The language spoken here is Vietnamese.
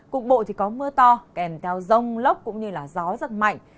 cục bộ thì có mưa to kèm theo rông lốc cũng như gió rất mạnh